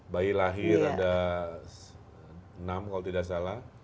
bayi lahir ada enam kalau tidak salah